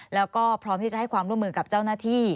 แล้วก็พร้อมที่จะให้ความร่วมมือกับเจ้าหน้าที่